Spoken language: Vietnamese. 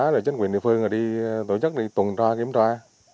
rồi chính quyền địa phương đi tổ chức đi tuần tra kiểm tra